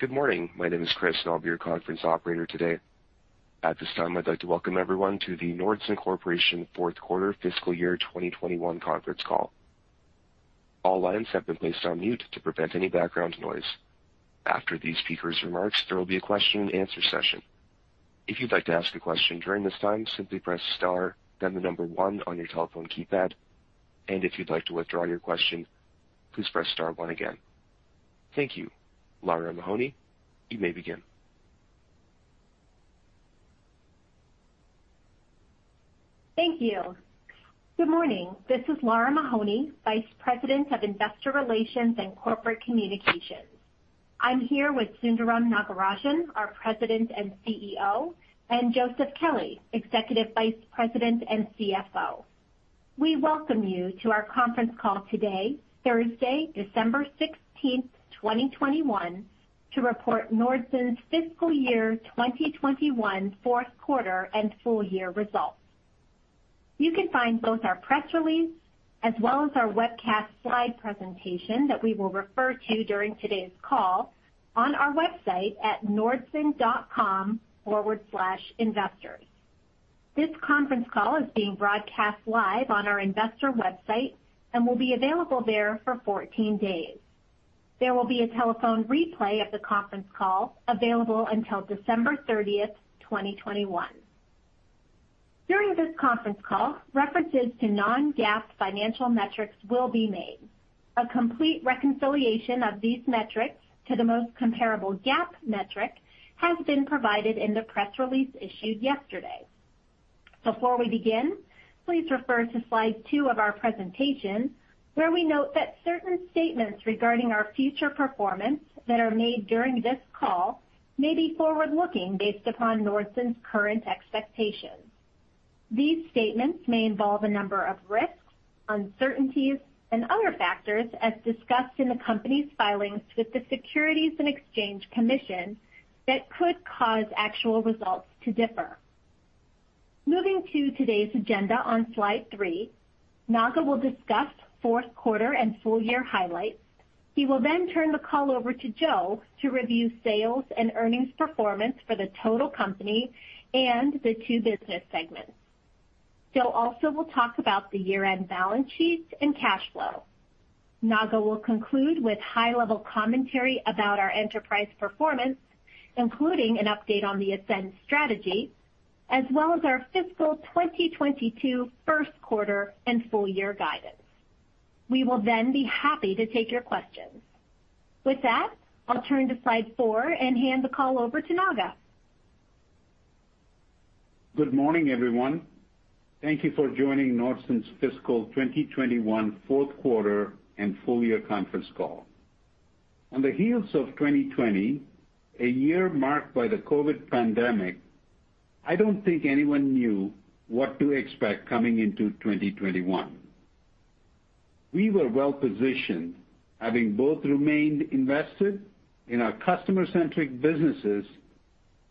Good morning. My name is Chris, and I'll be your conference operator today. At this time, I'd like to welcome everyone to the Nordson Corporation Q4 fiscal year 2021 Conference Call. All lines have been placed on mute to prevent any background noise. After the speaker's remarks, there will be a question-and-answer session. If you'd like to ask a question during this time, simply press star, then the number one on your telephone keypad. If you'd like to withdraw your question, please press star one again. Thank you. Lara Mahoney, you may begin. Thank you. Good morning. This is Lara Mahoney, Vice President of Investor Relations and Corporate Communications. I'm here with Sundaram Nagarajan, our President and CEO, and Joseph Kelley, Executive Vice President and CFO. We welcome you to our conference call today, Thursday, December 16, 2021, to report Nordson's fiscal year 2021 Q4 and full year results. You can find both our press release as well as our webcast slide presentation that we will refer to during today's call on our website at nordson.com/investors. This conference call is being broadcast live on our investor website and will be available there for 14 days. There will be a telephone replay of the conference call available until December 30, 2021. During this conference call, references to non-GAAP financial metrics will be made. A complete reconciliation of these metrics to the most comparable GAAP metric has been provided in the press release issued yesterday. Before we begin, please refer to slide two of our presentation, where we note that certain statements regarding our future performance that are made during this call may be forward-looking based upon Nordson's current expectations. These statements may involve a number of risks, uncertainties, and other factors as discussed in the company's filings with the Securities and Exchange Commission that could cause actual results to differ. Moving to today's agenda on slide three, Naga will discuss Q4 and full year highlights. He will then turn the call over to Joe to review sales and earnings performance for the total company and the two business segments. Joe also will talk about the year-end balance sheets and cash flow. Naga will conclude with high-level commentary about our enterprise performance, including an update on the ASCEND strategy, as well as our fiscal 2022 Q1 and full year guidance. We will then be happy to take your questions. With that, I'll turn to slide four and hand the call over to Naga. Good morning, everyone. Thank you for joining Nordson's fiscal 2021 Q4 and full year conference call. On the heels of 2020, a year marked by the COVID pandemic, I don't think anyone knew what to expect coming into 2021. We were well-positioned, having both remained invested in our customer-centric businesses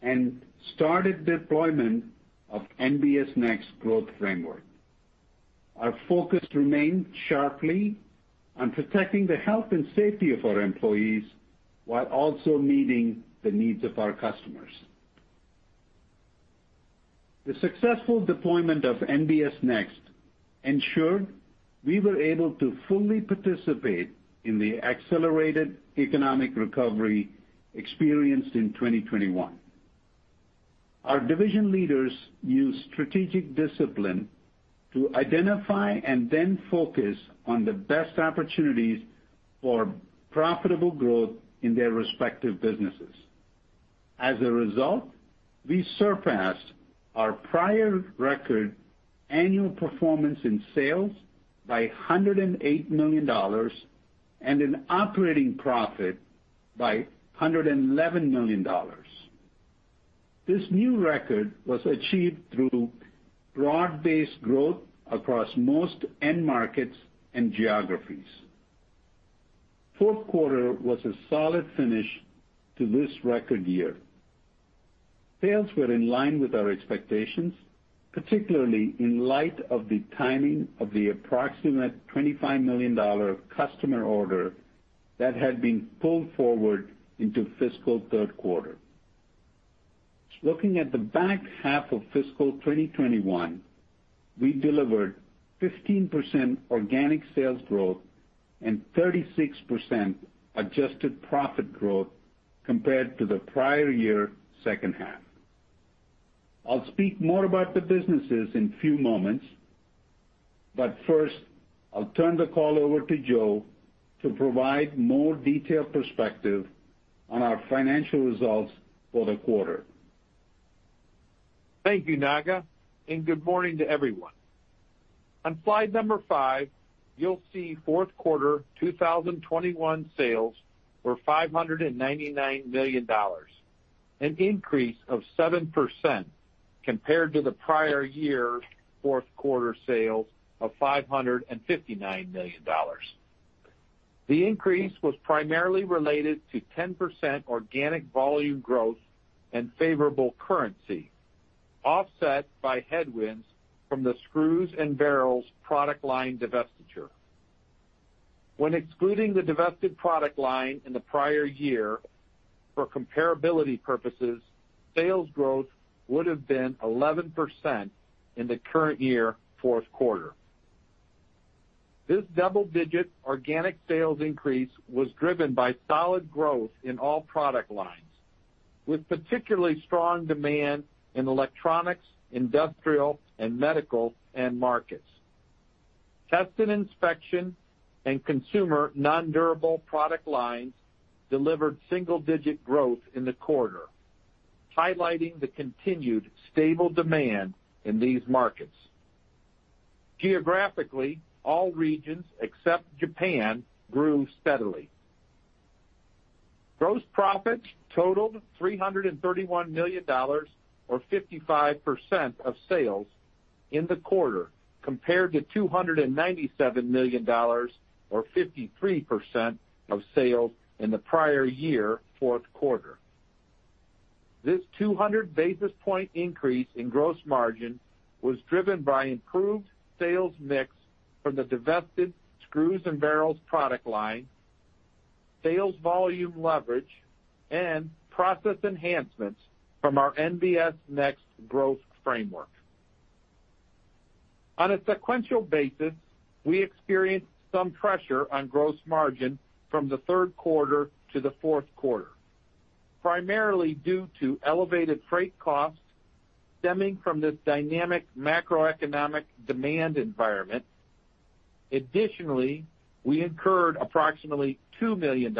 and started deployment of NBS Next growth framework. Our focus remained sharply on protecting the health and safety of our employees while also meeting the needs of our customers. The successful deployment of NBS Next ensured we were able to fully participate in the accelerated economic recovery experienced in 2021. Our division leaders used strategic discipline to identify and then focus on the best opportunities for profitable growth in their respective businesses. As a result, we surpassed our prior record annual performance in sales by $108 million and in operating profit by $111 million. This new record was achieved through broad-based growth across most end markets and geographies. Q4 was a solid finish to this record year. Sales were in line with our expectations, particularly in light of the timing of the approximate $25 million customer order that had been pulled forward into fiscal Q3. Looking at the back half of fiscal 2021, we delivered 15% organic sales growth and 36% adjusted profit growth compared to the prior year second half. I'll speak more about the businesses in a few moments, but first, I'll turn the call over to Joe to provide more detailed perspective on our financial results for the quarter. Thank you, Naga, and good morning to everyone. On slide 5, you'll see Q4 2021 sales were $599 million, an increase of 7% compared to the prior year Q4 sales of $559 million. The increase was primarily related to 10% organic volume growth and favorable currency, offset by headwinds from the screws and barrels product line divestiture. When excluding the divested product line in the prior year for comparability purposes, sales growth would have been 11% in the current year Q4. This double-digit organic sales increase was driven by solid growth in all product lines, with particularly strong demand in electronics, industrial, and medical end markets. Test and inspection and consumer nondurable product lines delivered single-digit growth in the quarter, highlighting the continued stable demand in these markets. Geographically, all regions, except Japan, grew steadily. Gross profits totaled $331 million or 55% of sales in the quarter, compared to $297 million or 53% of sales in the prior year Q4. This 200 basis point increase in gross margin was driven by improved sales mix from the divested screws and barrels product line, sales volume leverage, and process enhancements from our NBS Next Growth Framework. On a sequential basis, we experienced some pressure on gross margin from the Q3 to the Q4, primarily due to elevated freight costs stemming from this dynamic macroeconomic demand environment. Additionally, we incurred approximately $2 million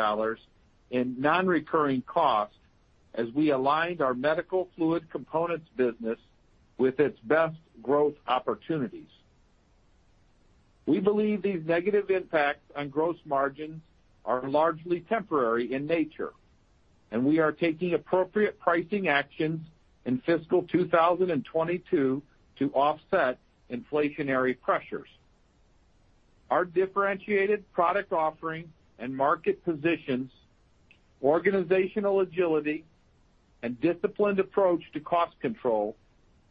in non-recurring costs as we aligned our Medical Fluid Components business with its best growth opportunities. We believe these negative impacts on gross margins are largely temporary in nature, and we are taking appropriate pricing actions in fiscal 2022 to offset inflationary pressures. Our differentiated product offering and market positions, organizational agility, and disciplined approach to cost control,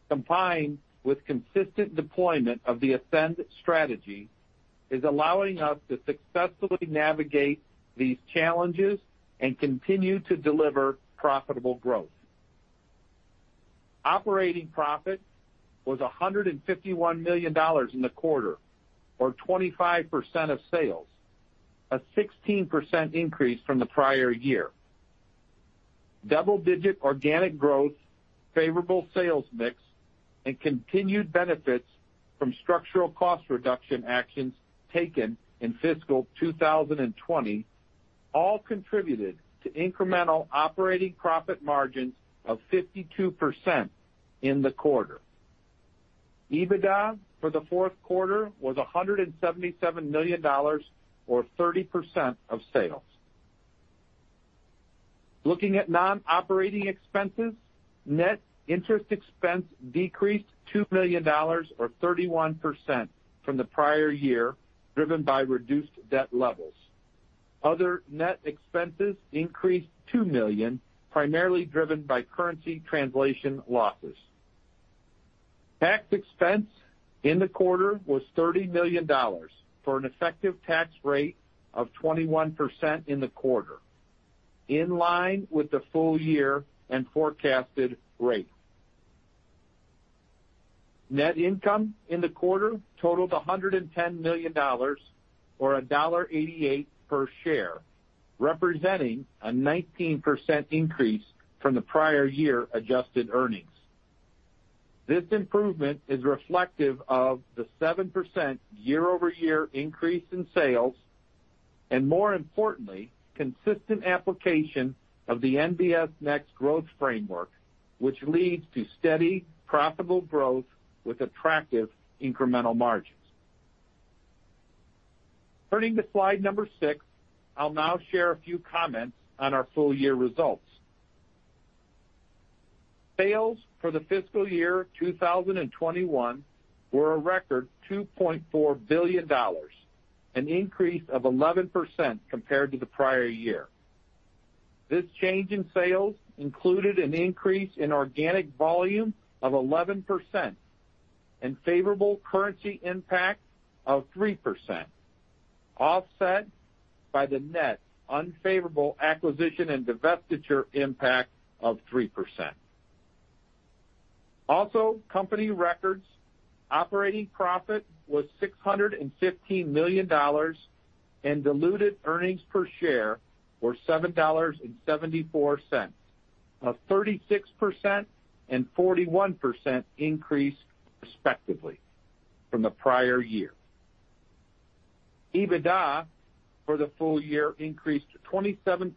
combined with consistent deployment of the ASCEND strategy, is allowing us to successfully navigate these challenges and continue to deliver profitable growth. Operating profit was $151 million in the quarter, or 25% of sales, a 16% increase from the prior year. Double-digit organic growth, favorable sales mix, and continued benefits from structural cost reduction actions taken in fiscal 2020 all contributed to incremental operating profit margins of 52% in the quarter. EBITDA for the Q4 was $177 million or 30% of sales. Looking at non-operating expenses, net interest expense decreased $2 million or 31% from the prior year, driven by reduced debt levels. Other net expenses increased $2 million, primarily driven by currency translation losses. Tax expense in the quarter was $30 million for an effective tax rate of 21% in the quarter, in line with the full year and forecasted rate. Net income in the quarter totaled $110 million or $1.88 per share, representing a 19% increase from the prior year adjusted earnings. This improvement is reflective of the 7% year-over-year increase in sales and, more importantly, consistent application of the NBS Next Growth Framework, which leads to steady profitable growth with attractive incremental margins. Turning to slide 6, I'll now share a few comments on our full year results. Sales for the fiscal year 2021 were a record $2.4 billion, an increase of 11% compared to the prior year. This change in sales included an increase in organic volume of 11% and favorable currency impact of 3%, offset by the net unfavorable acquisition and divestiture impact of 3%. Also, company records operating profit was $615 million, and diluted earnings per share were $7.74, a 36% and 41% increase, respectively, from the prior year. EBITDA for the full year increased 27%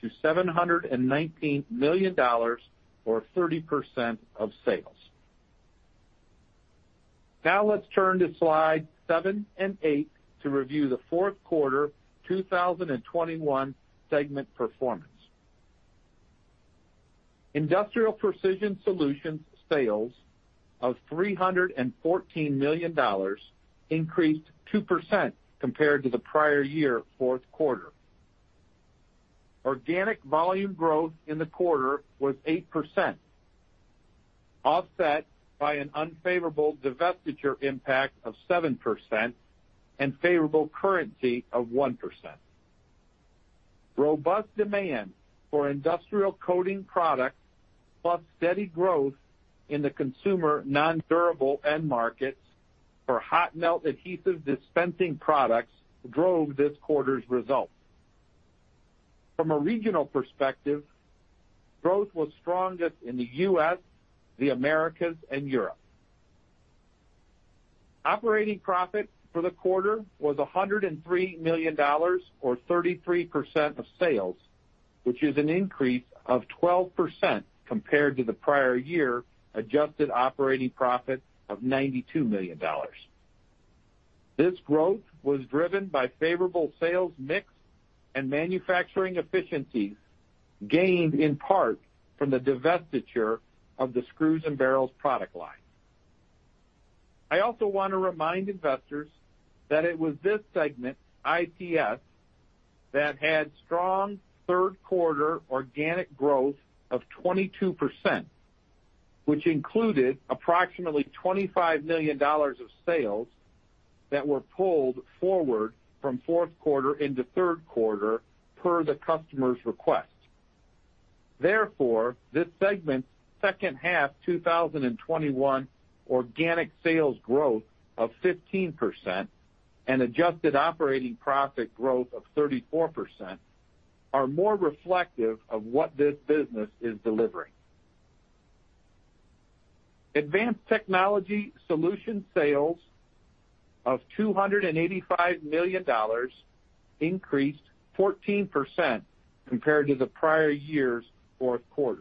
to $719 million or 30% of sales. Now let's turn to slides 7 and 8 to review the Q4 2021 segment performance. Industrial Precision Solutions sales of $314 million increased 2% compared to the prior year Q4. organic volume growth in the quarter was 8%, offset by an unfavorable divestiture impact of 7% and favorable currency of 1%. Robust demand for industrial coating products, plus steady growth in the consumer non-durable end markets for hot melt adhesive dispensing products drove this quarter's results. From a regional perspective, growth was strongest in the U.S., the Americas, and Europe. Operating profit for the quarter was $103 million or 33% of sales, which is an increase of 12% compared to the prior year adjusted operating profit of $92 million. This growth was driven by favorable sales mix and manufacturing efficiencies gained in part from the divestiture of the screws and barrels product line. I also wanna remind investors that it was this segment, IPS, that had strong Q3 organic growth of 22%, which included approximately $25 million of sales that were pulled forward from Q4 into Q3 per the customer's request. Therefore, this segment's second half 2021 organic sales growth of 15% and adjusted operating profit growth of 34% are more reflective of what this business is delivering. Advanced Technology Solutions sales of $285 million increased 14% compared to the prior year's Q4.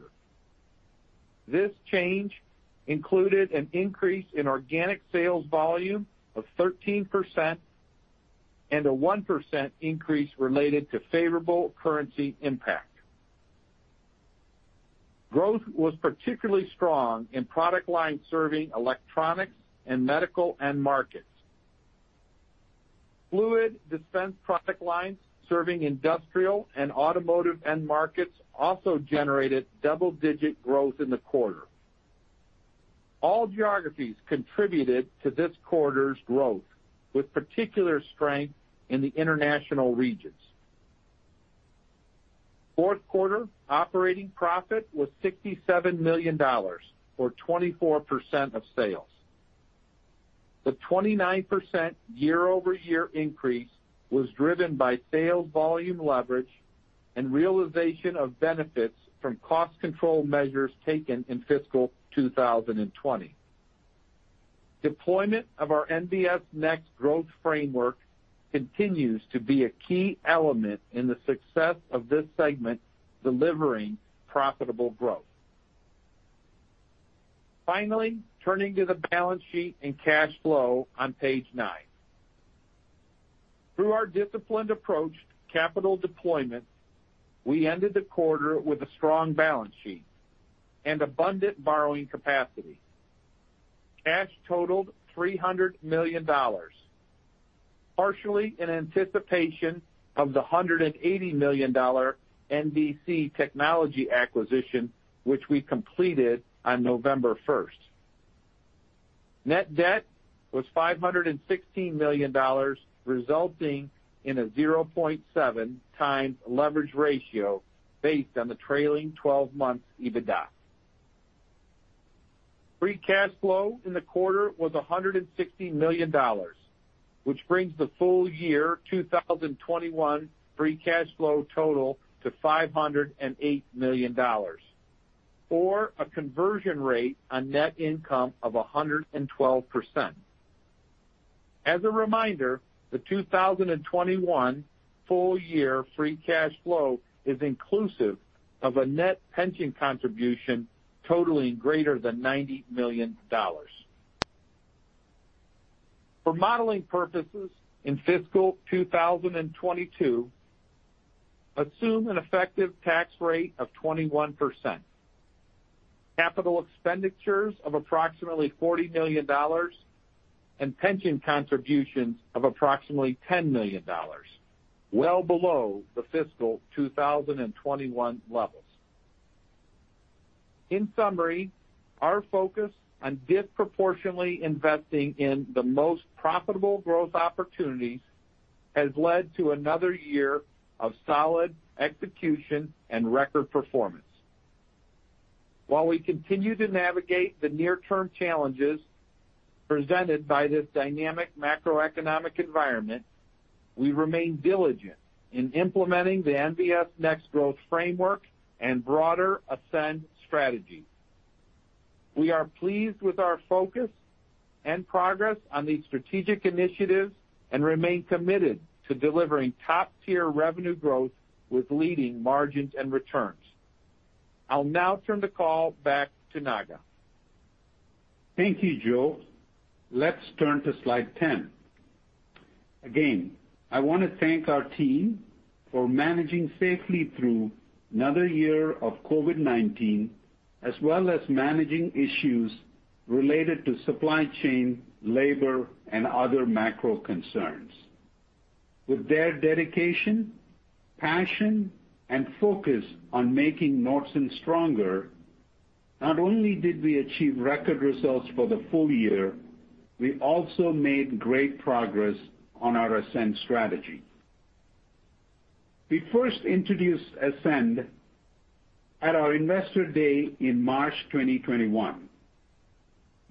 This change included an increase in organic sales volume of 13% and a 1% increase related to favorable currency impact. Growth was particularly strong in product lines serving electronics and medical end markets. Fluid dispense product lines serving industrial and automotive end markets also generated double-digit growth in the quarter. All geographies contributed to this quarter's growth, with particular strength in the international regions. Q4 operating profit was $67 million or 24% of sales. The 29% year-over-year increase was driven by sales volume leverage and realization of benefits from cost control measures taken in fiscal 2020. Deployment of our NBS Next Growth Framework continues to be a key element in the success of this segment delivering profitable growth. Finally, turning to the balance sheet and cash flow on page 9. Through our disciplined approach to capital deployment, we ended the quarter with a strong balance sheet and abundant borrowing capacity. Cash totaled $300 million, partially in anticipation of the $180 million NDC Technologies acquisition, which we completed on November 1. Net debt was $516 million, resulting in a 0.7x leverage ratio based on the trailing-twelve-month EBITDA. Free cash flow in the quarter was $160 million, which brings the full year 2021 free cash flow total to $508 million or a conversion rate on net income of 112%. As a reminder, the 2021 full year free cash flow is inclusive of a net pension contribution totaling greater than $90 million. For modeling purposes in fiscal 2022, assume an effective tax rate of 21%, capital expenditures of approximately $40 million, and pension contributions of approximately $10 million, well below the fiscal 2021 levels. In summary, our focus on disproportionately investing in the most profitable growth opportunities has led to another year of solid execution and record performance. While we continue to navigate the near-term challenges presented by this dynamic macroeconomic environment, we remain diligent in implementing the NBS Next Growth Framework and broader ASCEND strategy. We are pleased with our focus and progress on these strategic initiatives and remain committed to delivering top-tier revenue growth with leading margins and returns. I'll now turn the call back to Naga. Thank you, Joe. Let's turn to slide 10. Again, I wanna thank our team for managing safely through another year of COVID-19 as well as managing issues related to supply chain, labor, and other macro concerns. With their dedication, passion, and focus on making Nordson stronger, not only did we achieve record results for the full year, we also made great progress on our ASCEND strategy. We first introduced ASCEND at our Investor Day in March 2021.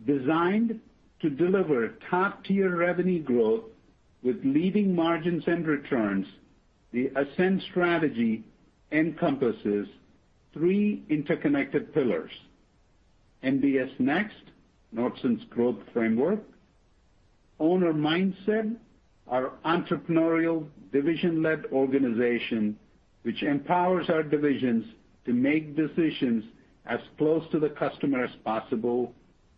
Designed to deliver top-tier revenue growth with leading margins and returns, the ASCEND strategy encompasses three interconnected pillars. NBS Next, Nordson's growth framework. Owner Mindset, our entrepreneurial division-led organization which empowers our divisions to make decisions as close to the customer as possible,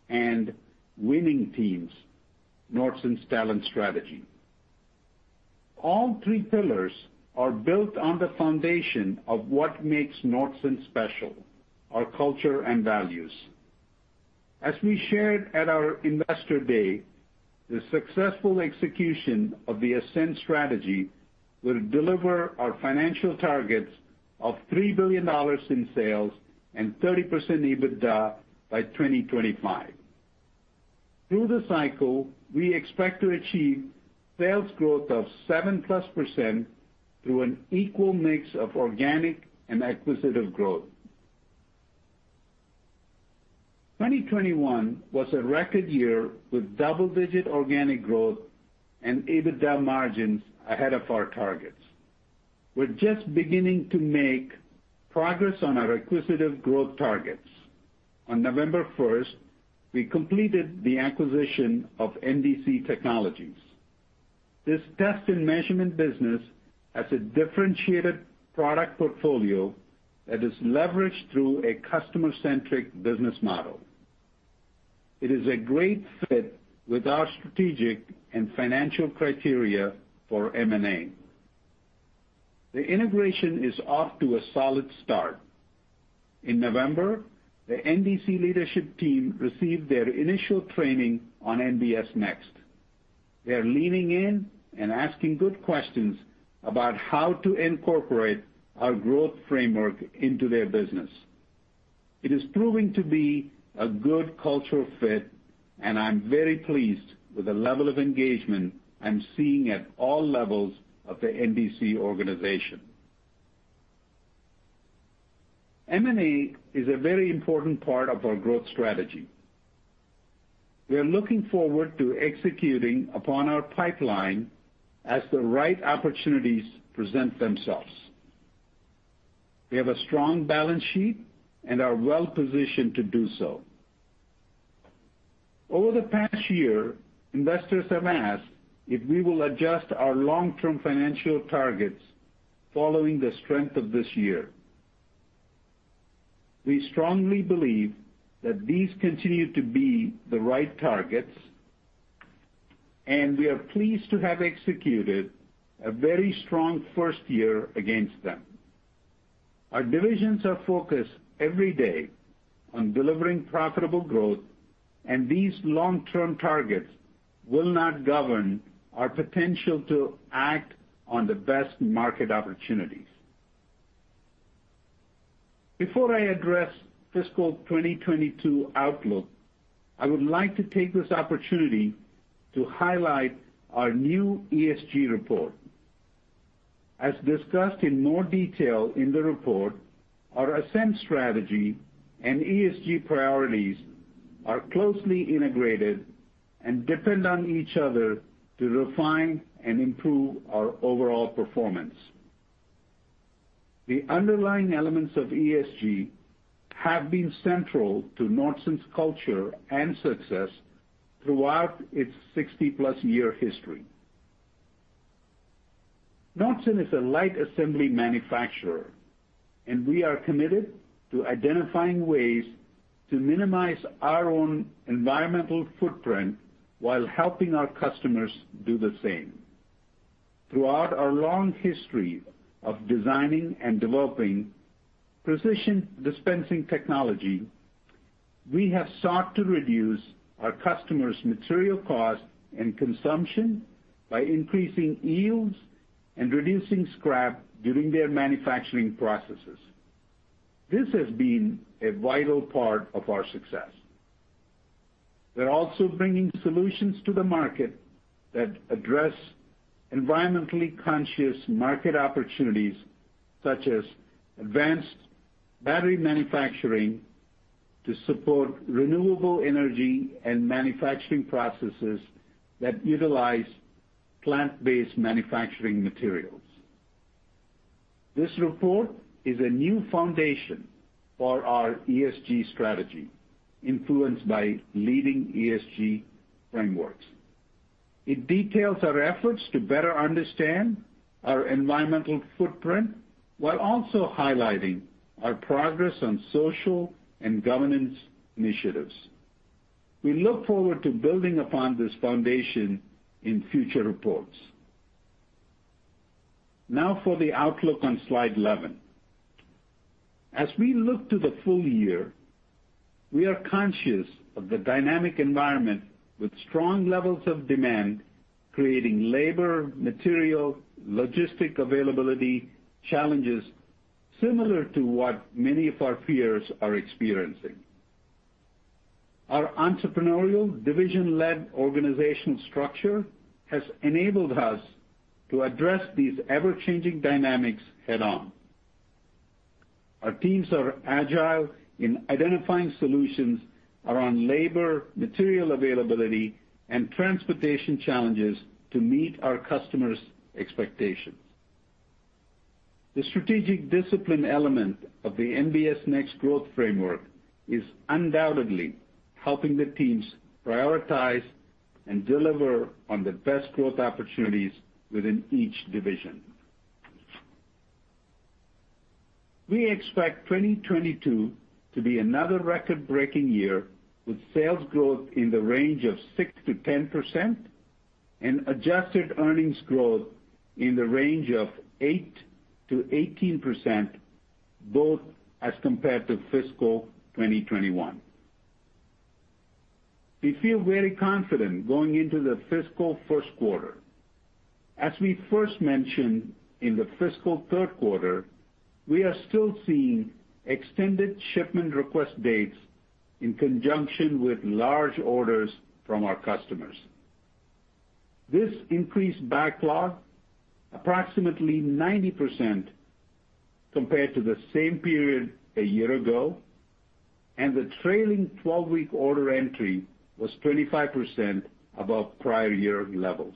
and Winning Teams, Nordson's talent strategy. All three pillars are built on the foundation of what makes Nordson special, our culture and values. As we shared at our Investor Day, the successful execution of the ASCEND strategy will deliver our financial targets of $3 billion in sales and 30% EBITDA by 2025. Through the cycle, we expect to achieve sales growth of 7%+ through an equal mix of organic and acquisitive growth. 2021 was a record year with double-digit organic growth and EBITDA margins ahead of our targets. We're just beginning to make progress on our acquisitive growth targets. On November 1, we completed the acquisition of NDC Technologies. This test and measurement business has a differentiated product portfolio that is leveraged through a customer-centric business model. It is a great fit with our strategic and financial criteria for M&A. The integration is off to a solid start. In November, the NDC leadership team received their initial training on NBS Next. They are leaning in and asking good questions about how to incorporate our growth framework into their business. It is proving to be a good cultural fit, and I'm very pleased with the level of engagement I'm seeing at all levels of the NDC organization. M&A is a very important part of our growth strategy. We are looking forward to executing upon our pipeline as the right opportunities present themselves. We have a strong balance sheet and are well-positioned to do so. Over the past year, investors have asked if we will adjust our long-term financial targets following the strength of this year. We strongly believe that these continue to be the right targets, and we are pleased to have executed a very strong first year against them. Our divisions are focused every day on delivering profitable growth, and these long-term targets will not govern our potential to act on the best market opportunities. Before I address fiscal 2022 outlook, I would like to take this opportunity to highlight our new ESG report. As discussed in more detail in the report, our ASCEND strategy and ESG priorities are closely integrated and depend on each other to refine and improve our overall performance. The underlying elements of ESG have been central to Nordson's culture and success throughout its 60-plus year history. Nordson is a light assembly manufacturer, and we are committed to identifying ways to minimize our own environmental footprint while helping our customers do the same. Throughout our long history of designing and developing precision dispensing technology, we have sought to reduce our customers' material cost and consumption by increasing yields and reducing scrap during their manufacturing processes. This has been a vital part of our success. We're also bringing solutions to the market that address environmentally conscious market opportunities, such as advanced battery manufacturing to support renewable energy and manufacturing processes that utilize plant-based manufacturing materials. This report is a new foundation for our ESG strategy influenced by leading ESG frameworks. It details our efforts to better understand our environmental footprint while also highlighting our progress on social and governance initiatives. We look forward to building upon this foundation in future reports. Now for the outlook on slide 11. As we look to the full year, we are conscious of the dynamic environment with strong levels of demand, creating labor, material, logistic availability challenges similar to what many of our peers are experiencing. Our entrepreneurial division-led organizational structure has enabled us to address these ever-changing dynamics head-on. Our teams are agile in identifying solutions around labor, material availability, and transportation challenges to meet our customers' expectations. The strategic discipline element of the NBS Next Growth Framework is undoubtedly helping the teams prioritize and deliver on the best growth opportunities within each division. We expect 2022 to be another record-breaking year, with sales growth in the range of 6% to 10% and adjusted earnings growth in the range of 8% to 18%, both as compared to fiscal 2021. We feel very confident going into the fiscal Q1. As we first mentioned in the fiscal Q3, we are still seeing extended shipment request dates in conjunction with large orders from our customers. This increased backlog approximately 90% compared to the same period a year ago, and the trailing 12-week order entry was 25% above prior year levels.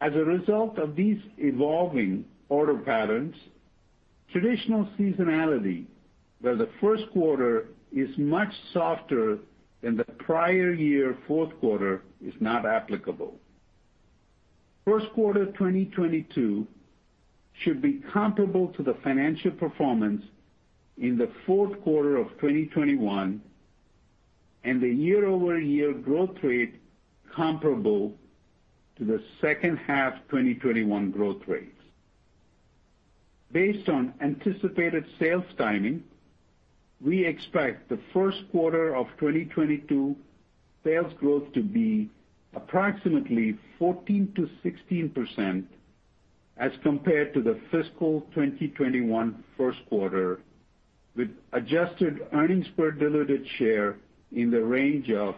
As a result of these evolving order patterns, traditional seasonality, where the Q1 is much softer than the prior year Q4, is not applicable. Q1 2022 should be comparable to the financial performance in the Q4 of 2021, and the year-over-year growth rate comparable to the second half 2021 growth rates. Based on anticipated sales timing, we expect the Q1 of 2022 sales growth to be approximately 14% to 16% as compared to the fiscal 2021 Q1, with adjusted earnings per diluted share in the range of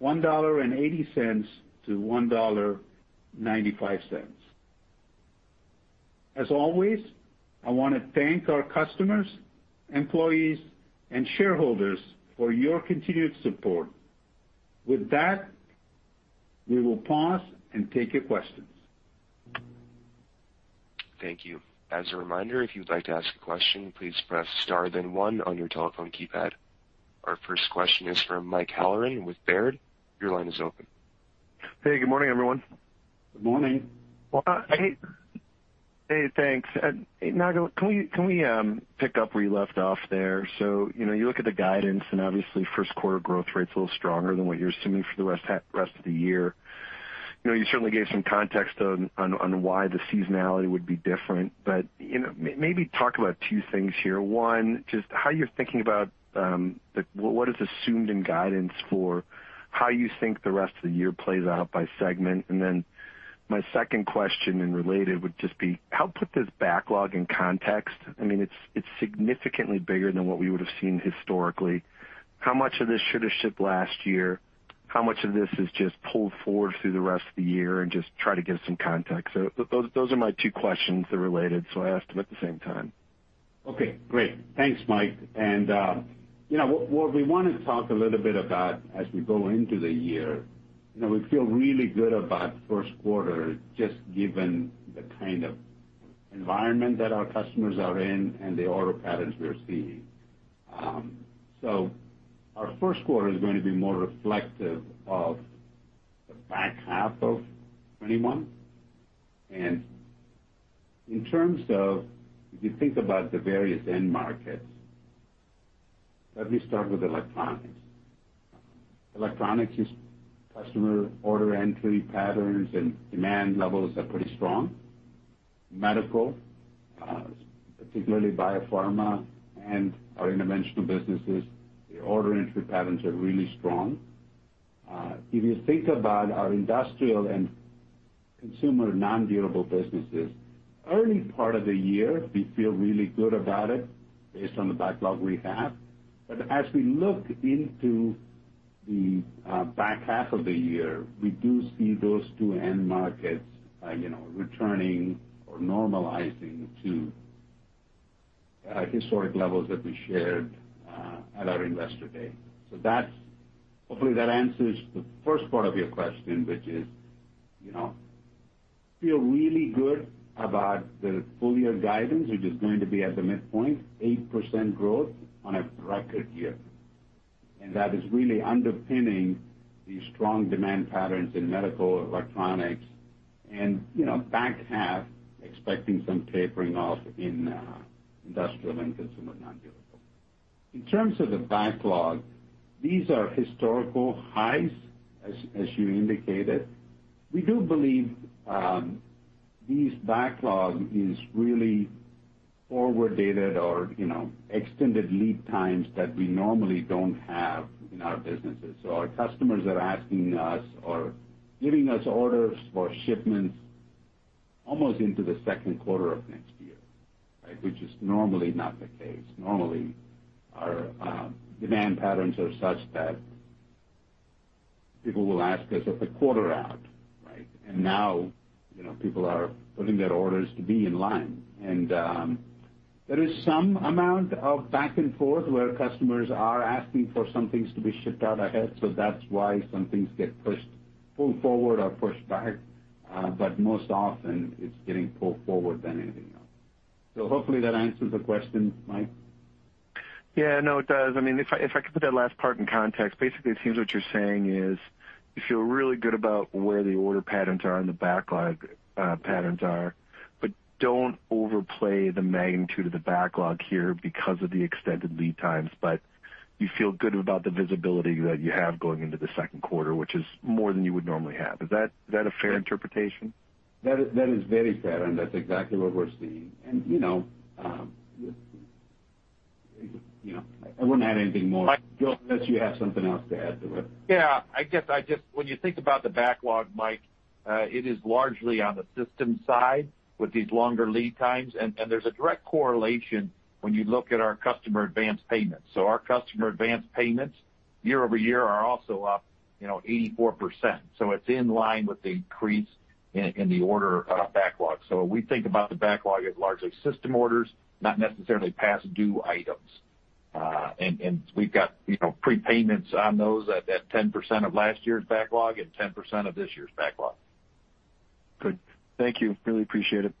$1.80 to $1.95. As always, I wanna thank our customers, employees, and shareholders for your continued support. With that, we will pause and take your questions. Thank you. As a reminder, if you'd like to ask a question, please press star then one on your telephone keypad. Our first question is from Mike Halloran with Baird. Your line is open. Hey, good morning, everyone. Good morning. Well, hey. Hey, thanks. Nagarajan, can we pick up where you left off there? You know, you look at the guidance and obviously Q1 growth rate's a little stronger than what you're assuming for the rest of the year. You know, you certainly gave some context on why the seasonality would be different. You know, maybe talk about two things here. One, just how you're thinking about what is assumed in guidance for how you think the rest of the year plays out by segment. And then my second question, and related, would just be how to put this backlog in context. I mean, it's significantly bigger than what we would have seen historically. How much of this should have shipped last year? How much of this is just pulled forward through the rest of the year? Just try to give some context. So those are my two questions. They're related, so I asked them at the same time. Okay, great. Thanks, Mike. You know, what we wanna talk a little bit about as we go into the year, you know, we feel really good about Q1 just given the kind of environment that our customers are in and the order patterns we are seeing. So our Q1 is going to be more reflective of the back half of 2021. In terms of if you think about the various end markets, let me start with electronics. Electronics, customer order entry patterns and demand levels are pretty strong. Medical, particularly biopharma and our interventional businesses, the order entry patterns are really strong. If you think about our industrial and consumer non-durable businesses, early part of the year, we feel really good about it based on the backlog we have. As we look into the back half of the year, we do see those two end markets, you know, returning or normalizing to historic levels that we shared at our Investor Day. That's hopefully that answers the first part of your question, which is, you know, feel really good about the full year guidance, which is going to be at the midpoint, 8% growth on a record year. That is really underpinning the strong demand patterns in medical, electronics and, you know, back half expecting some tapering off in industrial and consumer nondurable. In terms of the backlog, these are historical highs, as you indicated. We do believe these backlog is really forward dated or, you know, extended lead times that we normally don't have in our businesses. Our customers are asking us or giving us orders for shipments almost into the Q2 of next year, right? Which is normally not the case. Normally, our demand patterns are such that people will ask us at the quarter out, right? Now people are putting their orders to be in line. There is some amount of back and forth where customers are asking for some things to be shipped out ahead, so that's why some things get pulled forward or pushed back. But most often it's getting pulled forward than anything else. Hopefully that answers the question, Mike. Yeah. No, it does. I mean, if I could put that last part in context, basically it seems what you're saying is you feel really good about where the order patterns are and the backlog patterns are, but don't overplay the magnitude of the backlog here because of the extended lead times. You feel good about the visibility that you have going into the Q2, which is more than you would normally have. Is that a fair interpretation? That is very fair, and that's exactly what we're seeing. You know, I wouldn't add anything more, Joe, unless you have something else to add to it. When you think about the backlog, Mike, it is largely on the system side with these longer lead times. There's a direct correlation when you look at our customer advanced payments. Our customer advanced payments year-over-year are also up, you know, 84%. It's in line with the increase in the order backlog. We think about the backlog as largely system orders, not necessarily past due items. We've got, you know, prepayments on those at 10% of last year's backlog and 10% of this year's backlog. Good. Thank you. Really appreciate it.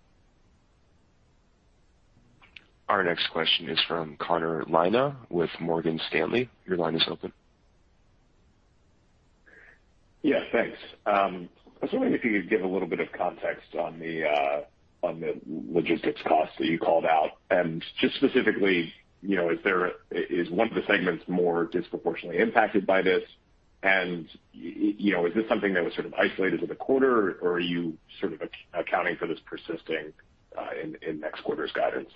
Our next question is from Connor Lynagh with Morgan Stanley. Your line is open. Yeah, thanks. I was wondering if you could give a little bit of context on the logistics costs that you called out. Just specifically, you know, is one of the segments more disproportionately impacted by this? You know, is this something that was sort of isolated to the quarter, or are you sort of accounting for this persisting in next quarter's guidance?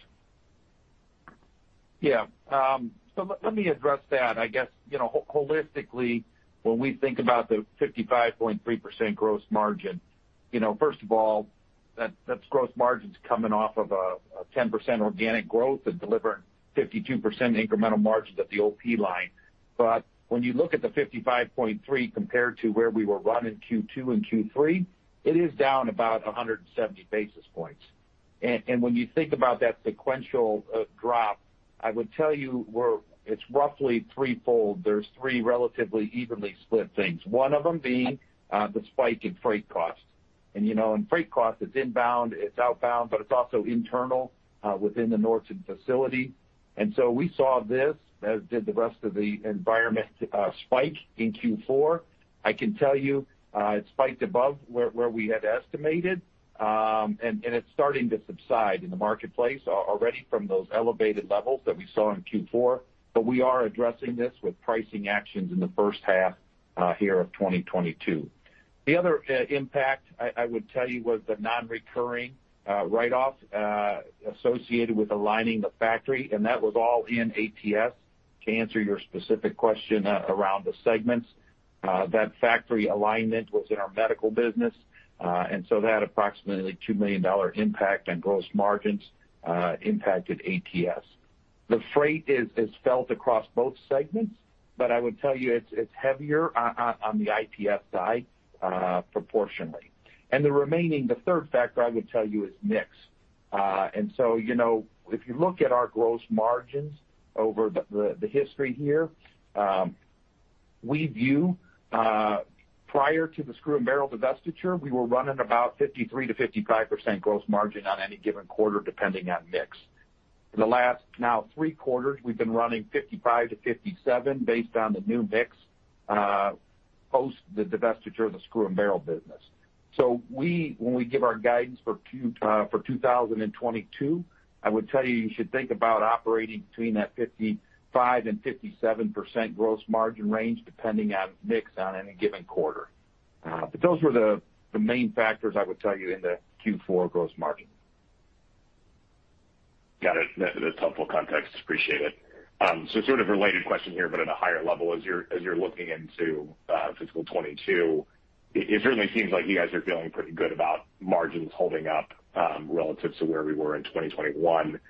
Yeah. So let me address that. I guess, you know, holistically, when we think about the 55.3% gross margin, you know, first of all, that's gross margins coming off of a 10% organic growth and delivering 52% incremental margins at the OP line. When you look at the 55.3 compared to where we were running Q2 and Q3, it is down about 170 basis points. When you think about that sequential drop, I would tell you it's roughly threefold. There's three relatively evenly split things, one of them being the spike in freight costs. You know, freight cost is inbound, it's outbound, but it's also internal within the Nordson facility. So we saw this, as did the rest of the environment, spike in Q4. I can tell you, it spiked above where we had estimated, and it's starting to subside in the marketplace already from those elevated levels that we saw in Q4. We are addressing this with pricing actions in the first half of 2022. The other impact I would tell you was the non-recurring write-off associated with aligning the factory, and that was all in ATS, to answer your specific question around the segments. That factory alignment was in our medical business, and so that approximately $2 million impact on gross margins impacted ATS. The freight is felt across both segments, but I would tell you it's heavier on the IPS side proportionally. The remaining third factor I would tell you is mix. You know, if you look at our gross margins over the history here, we view prior to the screws and barrels divestiture, we were running about 53% to 55% gross margin on any given quarter, depending on mix. In the last three quarters, we've been running 55% to 57% based on the new mix, post the divestiture of the screws and barrels business. When we give our guidance for 2022, I would tell you should think about operating between that 55% to 57% gross margin range, depending on mix on any given quarter. But those were the main factors I would tell you in the Q4 gross margin. Got it. That's helpful context. Appreciate it. Sort of a related question here, but at a higher level. As you're looking into fiscal 2022, it certainly seems like you guys are feeling pretty good about margins holding up relative to where we were in 2021.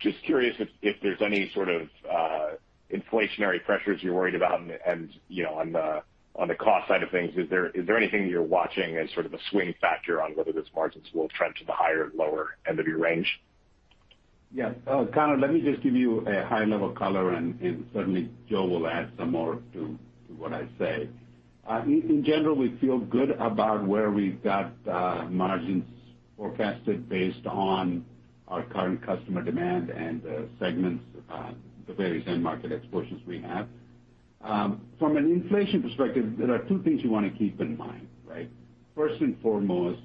Just curious if there's any sort of inflationary pressures you're worried about and, you know, on the cost side of things, is there anything you're watching as sort of a swing factor on whether those margins will trend to the higher and lower end of your range? Yeah. Connor, let me just give you a high level color, and certainly Joe will add some more to what I say. In general, we feel good about where we've got margins forecasted based on our current customer demand and the segments, the various end market exposures we have. From an inflation perspective, there are two things you wanna keep in mind, right? First and foremost,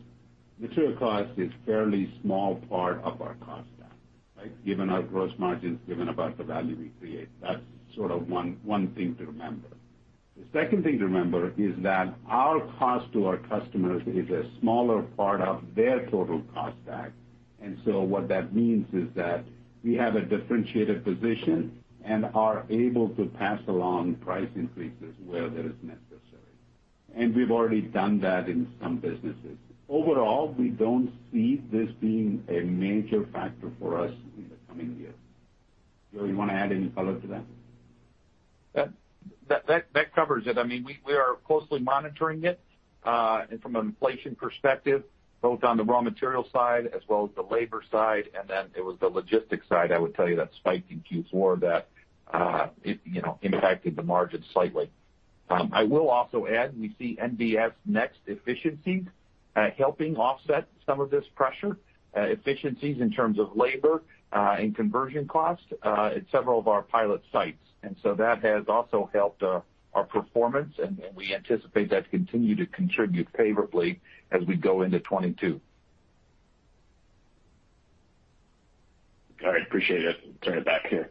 material cost is fairly small part of our cost down, right? Given our gross margins, given the value we create. That's sort of one thing to remember. The second thing to remember is that our cost to our customers is a smaller part of their total cost stack. What that means is that we have a differentiated position and are able to pass along price increases where that is necessary. We've already done that in some businesses. Overall, we don't see this being a major factor for us in the coming year. Joe, you wanna add any color to that? That covers it. I mean, we are closely monitoring it, and from an inflation perspective, both on the raw material side as well as the labor side, and then it was the logistics side, I would tell you, that spiked in Q4 that it impacted the margin slightly. I will also add, we see NBS Next efficiencies helping offset some of this pressure, efficiencies in terms of labor and conversion costs at several of our pilot sites. That has also helped our performance, and we anticipate that to continue to contribute favorably as we go into 2022. All right. Appreciate it. Turn it back to you.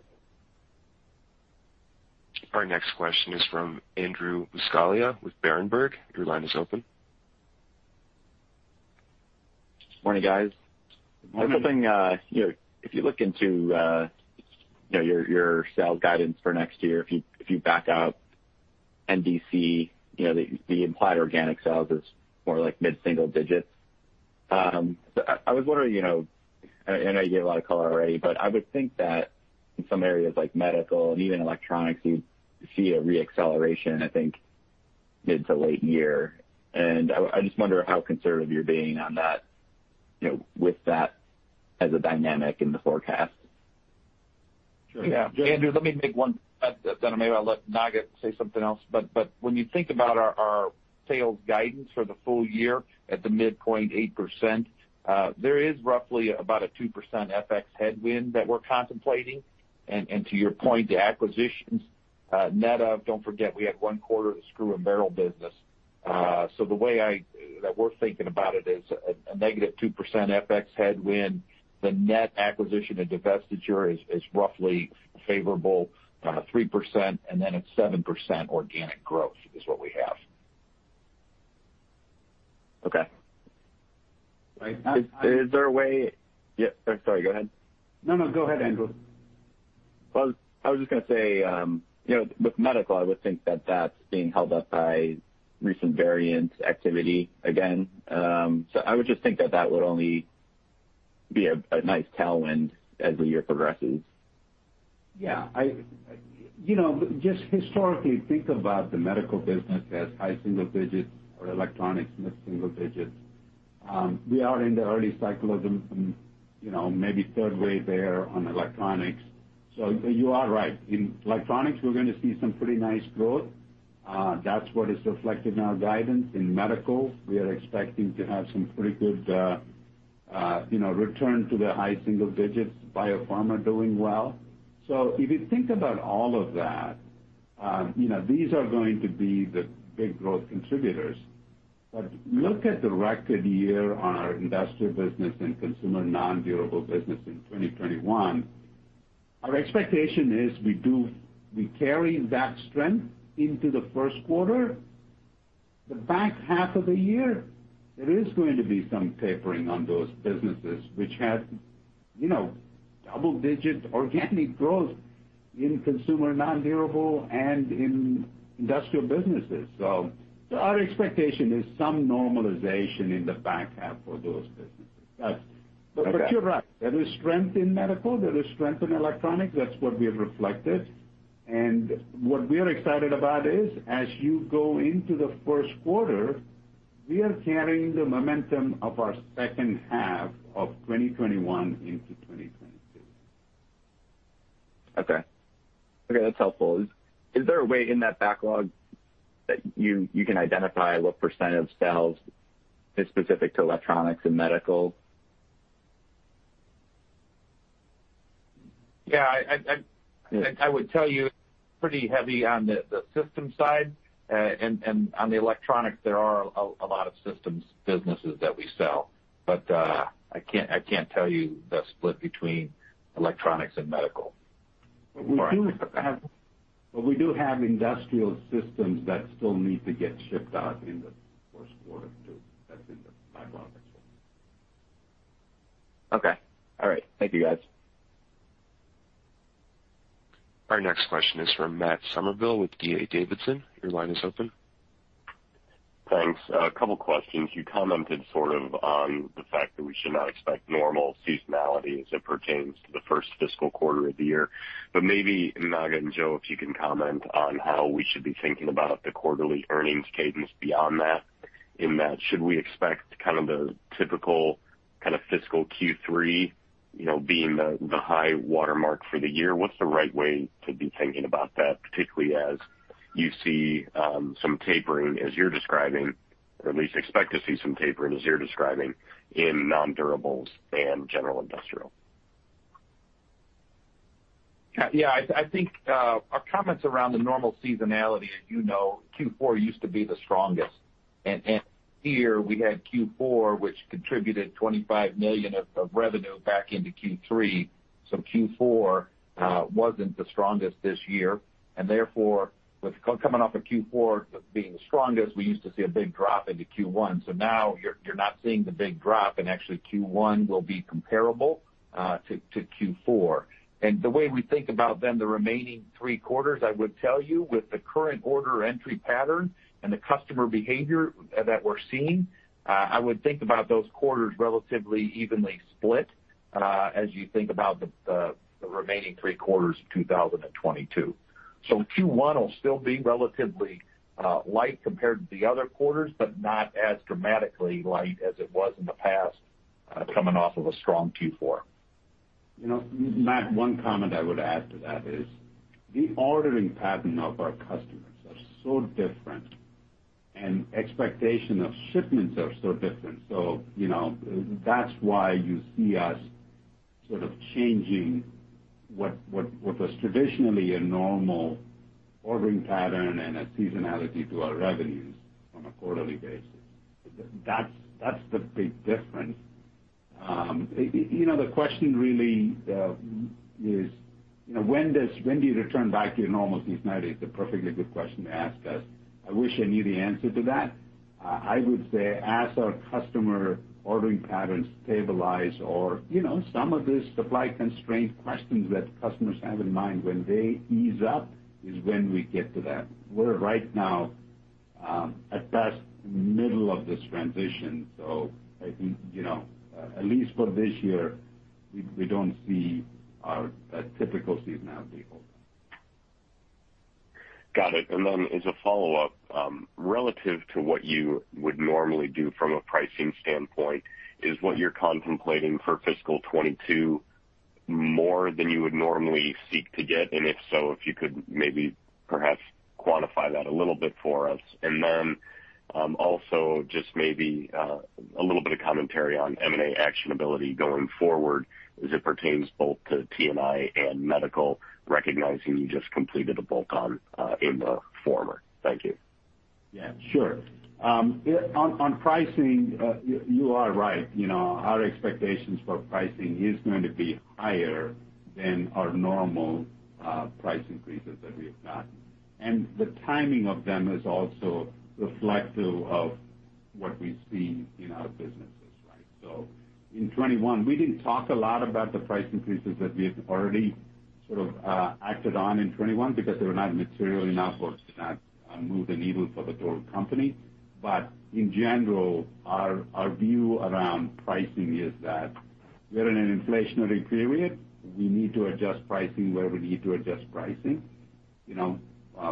Our next question is from Andrew Buscaglia with Berenberg. Your line is open. Morning, guys. Morning. One thing, you know, if you look into, you know, your sales guidance for next year, if you back out NDC, you know, the implied organic sales is more like mid-single digits%. I was wondering, you know, I know you gave a lot of color already, but I would think that in some areas like medical and even electronics, you see a reacceleration, I think, mid to late year. I just wonder how conservative you're being on that, you know, with that as a dynamic in the forecast. Yeah. Andrew, let me make one. Then maybe I'll let Naga say something else. When you think about our sales guidance for the full year at the midpoint 8%, there is roughly about a 2% FX headwind that we're contemplating. To your point, the acquisitions, net of, don't forget, we have one quarter of the screw and barrel business. The way that we're thinking about it is a negative 2% FX headwind. The net acquisition and divestiture is roughly favorable 3%, and then a 7% organic growth is what we have. Okay. I- Yeah. Sorry, go ahead. No, no, go ahead, Andrew. Well, I was just gonna say, you know, with medical, I would think that that's being held up by recent variant activity again. I would just think that that would only be a nice tailwind as the year progresses. Yeah. You know, just historically, think about the medical business as high single digits or electronics mid-single digits. We are in the early cycle of them from, you know, maybe two-thirds of the way there on electronics. You are right. In electronics, we're gonna see some pretty nice growth. That's what is reflected in our guidance. In medical, we are expecting to have some pretty good return to the high single digits. Biopharma doing well. If you think about all of that, these are going to be the big growth contributors. Look at the record year on our industrial business and consumer non-durable business in 2021. Our expectation is we carry that strength into the Q1. The back half of the year, there is going to be some tapering on those businesses which had, you know, double digit organic growth in consumer non-durable and in industrial businesses. Our expectation is some normalization in the back half for those businesses. But you're right, there is strength in medical, there is strength in electronics. That's what we have reflected. What we are excited about is as you go into the Q1, we are carrying the momentum of our second half of 2021 into 2022. Okay. Okay, that's helpful. Is there a way in that backlog that you can identify what % of sales is specific to electronics and medical? Yeah. I would tell you pretty heavy on the systems side. On the electronics, there are a lot of systems businesses that we sell. I can't tell you the split between electronics and medical. All right. We do have industrial systems that still need to get shipped out in the Q1, too. That's in the backlog as well. Okay. All right. Thank you, guys. Our next question is from Matt Summerville with D.A. Davidson. Your line is open. Thanks. A couple questions. You commented sort of on the fact that we should not expect normal seasonality as it pertains to the first fiscal quarter of the year. Maybe, Naga and Joe, if you can comment on how we should be thinking about the quarterly earnings cadence beyond that, in that should we expect kind of the typical kind of fiscal Q3, you know, being the high watermark for the year? What's the right way to be thinking about that, particularly as you see some tapering as you're describing, or at least expect to see some tapering as you're describing in non-durables and general industrial? Yeah, I think our comments around the normal seasonality, as you know, Q4 used to be the strongest. Here we had Q4, which contributed $25 million of revenue back into Q3. Q4 wasn't the strongest this year, and therefore, with coming off of Q4 being the strongest, we used to see a big drop into Q1. Now you're not seeing the big drop, and actually Q1 will be comparable to Q4. The way we think about then the remaining three quarters, I would tell you, with the current order entry pattern and the customer behavior that we're seeing, I would think about those quarters relatively evenly split, as you think about the remaining three quarters of 2022. Q1 will still be relatively light compared to the other quarters, but not as dramatically light as it was in the past, coming off of a strong Q4. You know, Matt, one comment I would add to that is the ordering pattern of our customers are so different, and expectation of shipments are so different. You know, that's why you see us sort of changing what was traditionally a normal ordering pattern and a seasonality to our revenues on a quarterly basis. That's the big difference. You know, the question really is, you know, when do you return back to your normal seasonality is a perfectly good question to ask us. I wish I knew the answer to that. I would say as our customer ordering patterns stabilize or, you know, some of the supply constraint questions that customers have in mind when they ease up is when we get to that. We're right now at best middle of this transition. I think, you know, at least for this year, we don't see our typical seasonality hold. Got it. Then as a follow-up, relative to what you would normally do from a pricing standpoint, is what you're contemplating for fiscal 2022 more than you would normally seek to get? If so, if you could maybe perhaps quantify that a little bit for us. Also just maybe a little bit of commentary on M&A actionability going forward as it pertains both to T&I and medical, recognizing you just completed a deal in the former. Thank you. Yeah, sure. Yeah, on pricing, you are right. You know, our expectations for pricing is going to be higher than our normal price increases that we have gotten. The timing of them is also reflective of what we see in our businesses, right? In 2021, we didn't talk a lot about the price increases that we have already sort of acted on in 2021 because they were not material enough or did not move the needle for the total company. In general, our view around pricing is that we're in an inflationary period. We need to adjust pricing where we need to adjust pricing. You know,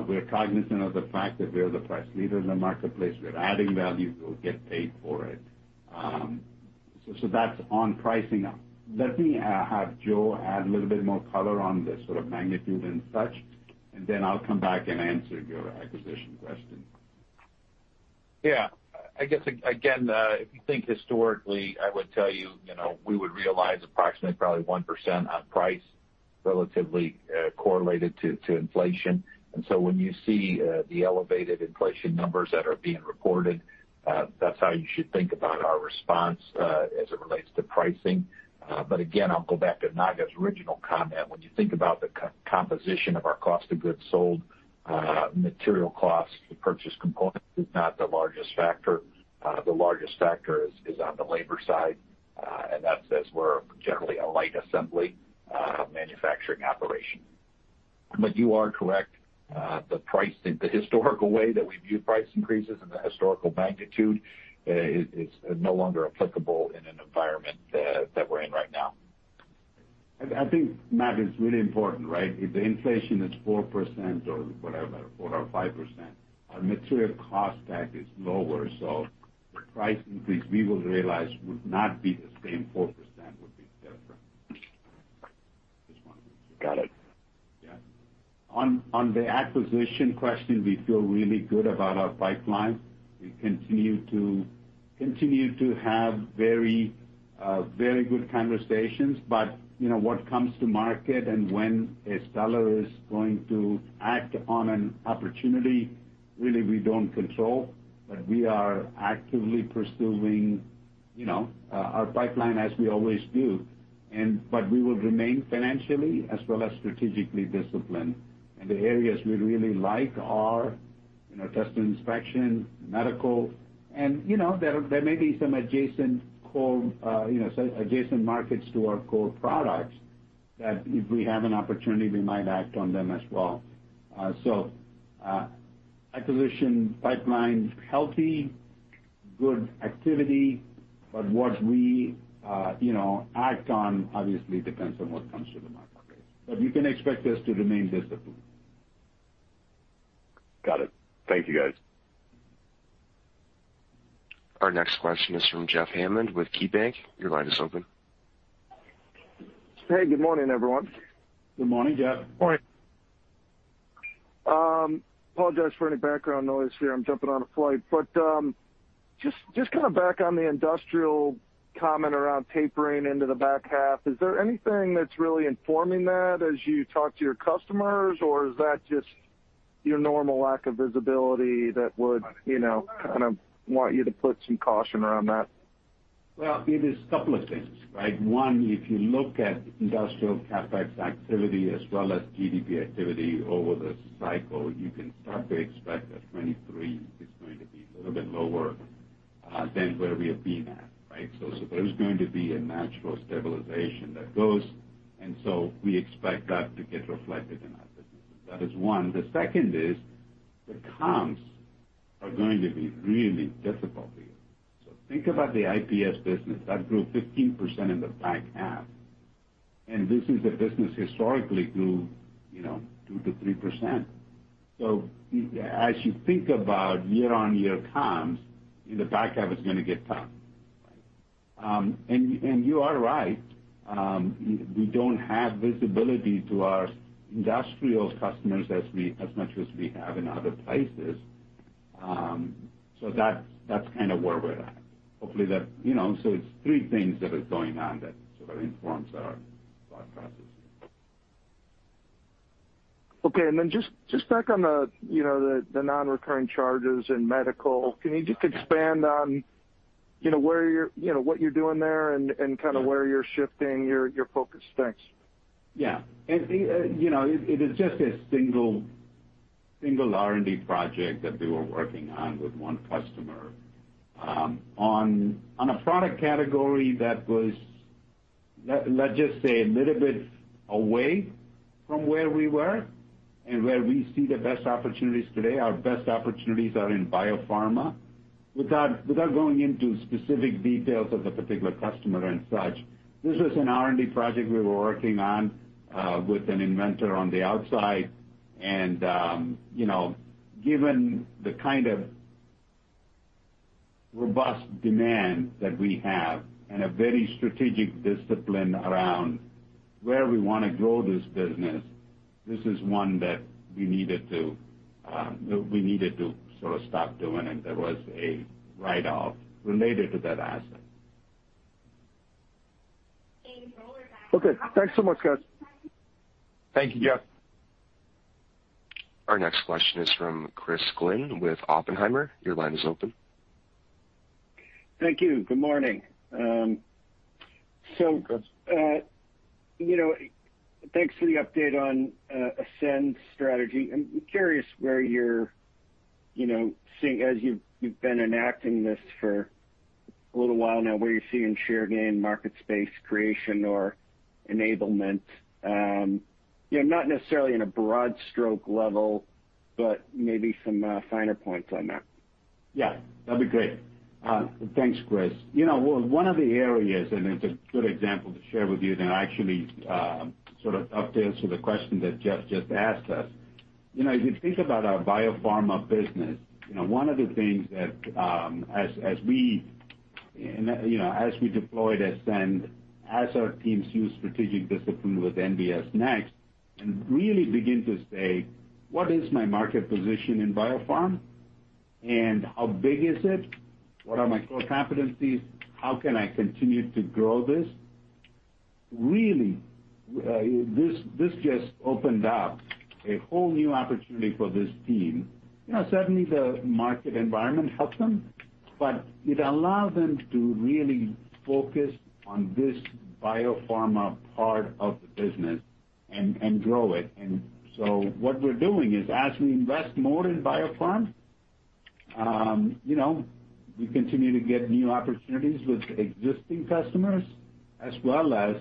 we're cognizant of the fact that we're the price leader in the marketplace. We're adding value, we'll get paid for it. That's on pricing. Let me have Joe add a little bit more color on the sort of magnitude and such, and then I'll come back and answer your acquisition question. Yeah. I guess again, if you think historically, I would tell you know, we would realize approximately probably 1% on price, relatively, correlated to inflation. When you see the elevated inflation numbers that are being reported, that's how you should think about our response as it relates to pricing. Again, I'll go back to Naga's original comment. When you think about the composition of our cost of goods sold, material costs to purchase components is not the largest factor. The largest factor is on the labor side, and that's as we're generally a light assembly manufacturing operation. You are correct, the historical way that we view price increases and the historical magnitude is no longer applicable in an environment that we're in right now. I think, Matt, it's really important, right? If the inflation is 4% or whatever, 4 or 5%, our material cost base is lower, so the price increase we will realize would not be the same 4%, would be different. Just wanted to Got it. Yeah. On the acquisition question, we feel really good about our pipeline. We continue to have very good conversations. You know, what comes to market and when a seller is going to act on an opportunity, really we don't control. We are actively pursuing, you know, our pipeline as we always do. We will remain financially as well as strategically disciplined. The areas we really like are, you know, test and inspection, medical, and, you know, there may be some adjacent core, you know, some adjacent markets to our core products that if we have an opportunity, we might act on them as well. Acquisition pipeline's healthy, good activity, but what we, you know, act on obviously depends on what comes to the market. You can expect us to remain disciplined. Got it. Thank you, guys. Our next question is from Jeff Hammond with KeyBanc Capital Markets. Your line is open. Hey, good morning, everyone. Good morning, Jeff. Morning. Apologize for any background noise here. I'm jumping on a flight. Just kind of back on the industrial comment around tapering into the back half, is there anything that's really informing that as you talk to your customers, or is that just your normal lack of visibility that would, you know, kind of want you to put some caution around that? Well, it's a couple of things, right? One, if you look at industrial CapEx activity as well as GDP activity over the cycle, you can start to expect that 2023 is going to be a little bit lower than where we have been at, right? There's going to be a natural stabilization that goes, and we expect that to get reflected in our business. That is one. The second is the comps are going to be really difficult for you. Think about the IPS business. That grew 15% in the back half, and this is a business that historically grew, you know, 2% to 3%. As you think about year-on-year comps, in the back half it's gonna get tough. And you are right. We don't have visibility to our industrial customers as much as we have in other places. That's kind of where we're at. Hopefully that you know, it's three things that is going on that sort of informs our thought process. Okay. Just back on the, you know, the non-recurring charges in medical. Can you just expand on, you know, where you're, you know, what you're doing there and kind of where you're shifting your focus? Thanks. Yeah. You know, it is just a single R&D project that we were working on with one customer, on a product category that was, let's just say, a little bit away from where we were and where we see the best opportunities today. Our best opportunities are in biopharma. Without going into specific details of the particular customer and such, this was an R&D project we were working on with an inventor on the outside. You know, given the kind of robust demand that we have and a very strategic discipline around where we wanna grow this business, this is one that we needed to sort of stop doing, and there was a write-off related to that asset. Okay. Thanks so much, guys. Thank you, Jeff. Our next question is from Chris Glynn with Oppenheimer. Your line is open. Thank you. Good morning. Hi, Chris. You know, thanks for the update on ASCEND strategy. I'm curious where you're seeing as you've been enacting this for a little while now, where you're seeing share gain, market space creation or enablement. You know, not necessarily in a broad stroke level, but maybe some finer points on that. Yeah, that'd be great. Thanks, Chris. You know, well, one of the areas, and it's a good example to share with you that actually sort of updates to the question that Jeff just asked us. You know, if you think about our biopharma business, you know, one of the things that, as we, you know, as we deploy the Ascend, as our teams use strategic discipline with NBS Next, and really begin to say, "What is my market position in biopharma, and how big is it? What are my core competencies? How can I continue to grow this?" Really, this just opened up a whole new opportunity for this team. You know, certainly the market environment helped them, but it allowed them to really focus on this biopharma part of the business and grow it. What we're doing is, as we invest more in biopharm, you know, we continue to get new opportunities with existing customers as well as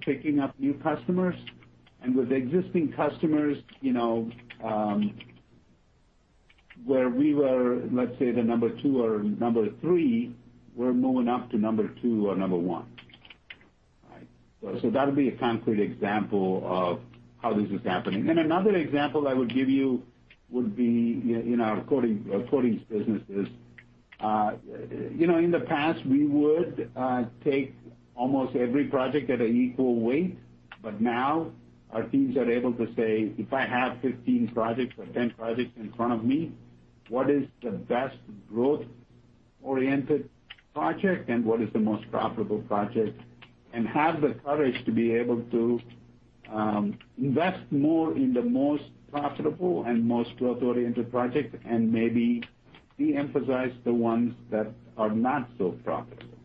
picking up new customers. With existing customers, you know, where we were, let's say the number two or number three, we're moving up to number two or number one. Right? That'll be a concrete example of how this is happening. Another example I would give you would be in our coatings businesses. You know, in the past, we would take almost every project at an equal weight, but now our teams are able to say, "If I have 15 projects or 10 projects in front of me, what is the best growth-oriented project, and what is the most profitable project?" Have the courage to be able to invest more in the most profitable and most growth-oriented project, and maybe de-emphasize the ones that are not so profitable.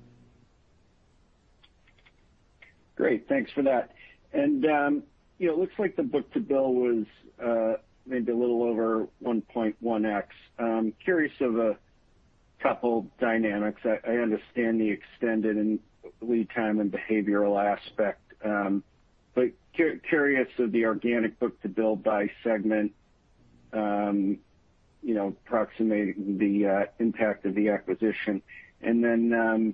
Great. Thanks for that. You know, looks like the book-to-bill was maybe a little over 1.1x. I'm curious of a couple dynamics. I understand the extended lead time and behavioral aspect, but curious of the organic book-to-bill by segment, you know, approximating the impact of the acquisition. Then,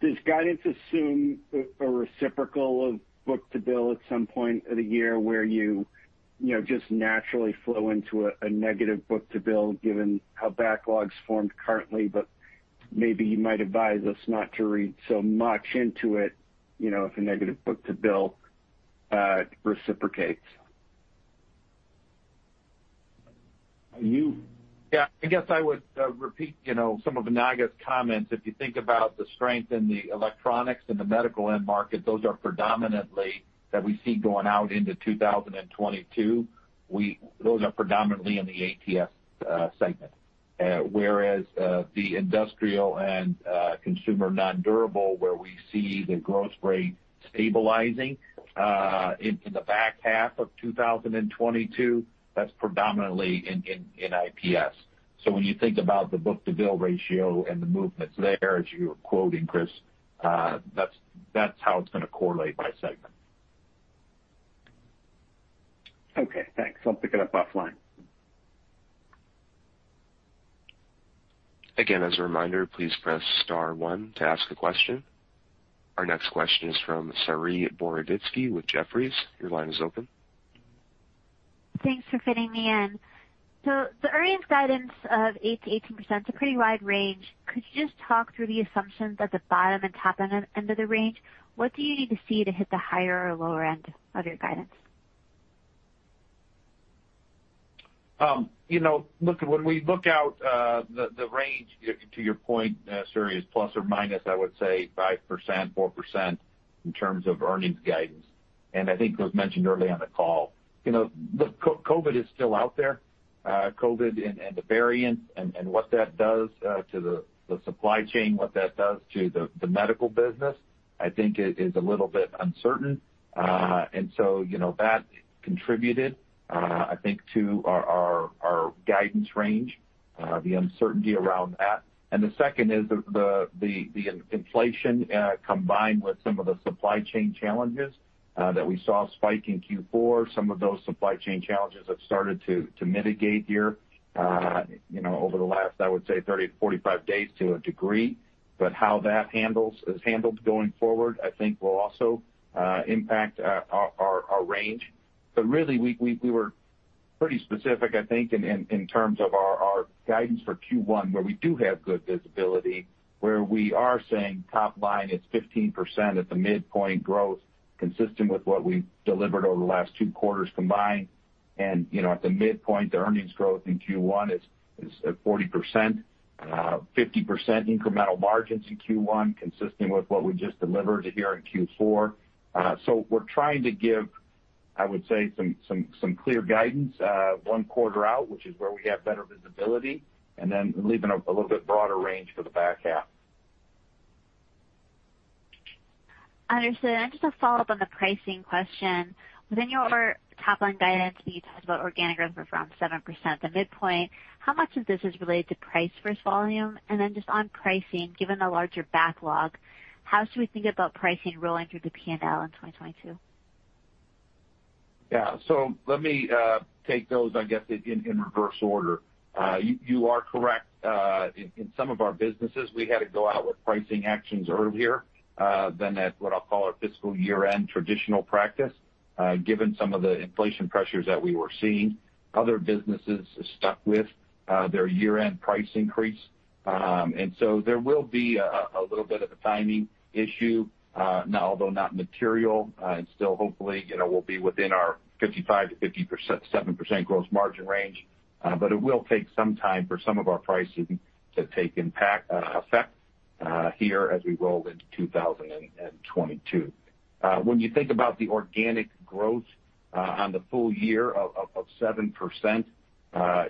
does guidance assume a reciprocal of book-to-bill at some point of the year where you just naturally flow into a negative book-to-bill given how backlogs formed currently but maybe you might advise us not to read so much into it, you know, if a negative book-to-bill reciprocates. You? Yeah, I guess I would repeat, you know, some of Naga's comments. If you think about the strength in the electronics and the medical end market, those are predominantly that we see going out into 2022. Those are predominantly in the ATS segment. Whereas the industrial and consumer nondurable, where we see the growth rate stabilizing into the back half of 2022, that's predominantly in IPS. When you think about the book to bill ratio and the movements there, as you were quoting, Chris, that's how it's gonna correlate by segment. Okay, thanks. I'll pick it up offline. Again, as a reminder, please press star one to ask a question. Our next question is from Saree Boroditsky with Jefferies. Your line is open. Thanks for fitting me in. The earnings guidance of 8% to 18% is a pretty wide range. Could you just talk through the assumptions at the bottom and top end of end of the range? What do you need to see to hit the higher or lower end of your guidance? You know, look, when we look out, the range to your point, Sari, is ±5% or 4% in terms of earnings guidance. I think it was mentioned early on the call. You know, look, COVID is still out there, COVID and the variants and what that does to the supply chain, what that does to the medical business, I think is a little bit uncertain. You know, that contributed, I think to our guidance range, the uncertainty around that. The second is the inflation combined with some of the supply chain challenges that we saw spike in Q4. Some of those supply chain challenges have started to mitigate here, you know, over the last, I would say 30-45 days to a degree. How that is handled going forward, I think will also impact our range. Really, we were pretty specific, I think, in terms of our guidance for Q1, where we do have good visibility, where we are saying top line is 15% at the midpoint growth, consistent with what we delivered over the last two quarters combined. You know, at the midpoint, the earnings growth in Q1 is at 40%, 50% incremental margins in Q1, consistent with what we just delivered here in Q4. We're trying to give, I would say some clear guidance, one quarter out, which is where we have better visibility, and then leaving a little bit broader range for the back half. Understood. Just a follow-up on the pricing question. Within your top-line guidance, you talked about organic growth of around 7% at the midpoint. How much of this is related to price versus volume? Then just on pricing, given the larger backlog, how should we think about pricing rolling through the P&L in 2022? Yeah. Let me take those, I guess, in reverse order. You are correct. In some of our businesses, we had to go out with pricing actions earlier than at what I'll call our fiscal year-end traditional practice, given some of the inflation pressures that we were seeing. Other businesses stuck with their year-end price increase. There will be a little bit of a timing issue, although not material, and still, hopefully, you know, we'll be within our 55% to 57% gross margin range. But it will take some time for some of our pricing to take effect here as we roll into 2022. When you think about the organic growth on the full year of 7%,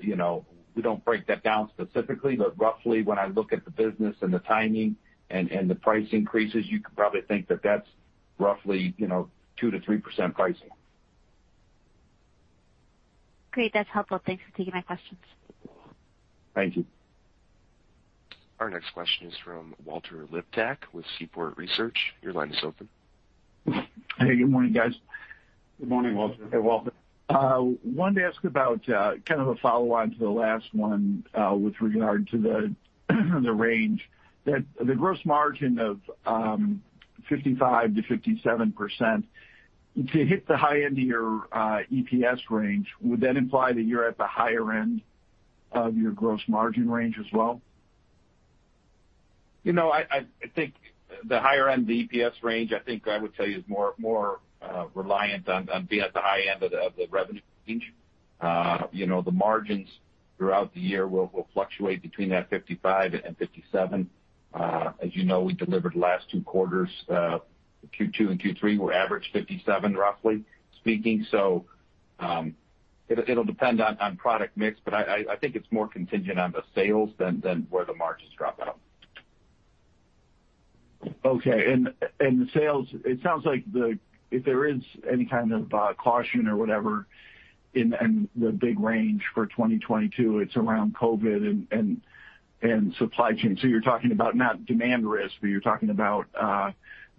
you know, we don't break that down specifically, but roughly, when I look at the business and the timing and the price increases, you could probably think that that's roughly, you know, 2% to 3% pricing. Great. That's helpful. Thanks for taking my questions. Thank you. Our next question is from Walter Liptak with Seaport Research. Your line is open. Hey, good morning, guys. Good morning, Walter. Hey, Walter. Wanted to ask about, kind of a follow-on to the last one, with regard to the range. That the gross margin of 55% to 57%, to hit the high end of your EPS range, would that imply that you're at the higher end of your gross margin range as well? You know, I think the higher end of the EPS range, I think I would tell you, is more reliant on being at the high end of the revenue range. You know, the margins throughout the year will fluctuate between 55% to 57%. As you know, we delivered the last two quarters, Q2 and Q3 were average 57%, roughly speaking. It'll depend on product mix, but I think it's more contingent on the sales than where the margins drop out. The sales, it sounds like if there is any kind of caution or whatever in the big range for 2022, it's around COVID and supply chain. You're talking about not demand risk, but you're talking about